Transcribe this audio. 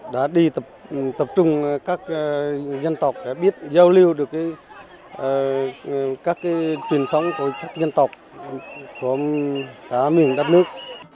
đã đi tập trung các dân tộc để biết giao lưu được các truyền thống của các dân tộc của cả miền đất nước